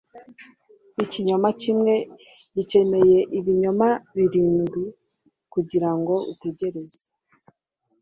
Ikinyoma kimwe gikeneye ibinyoma birindwi kugirango utegereze